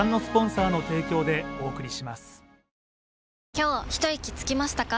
今日ひといきつきましたか？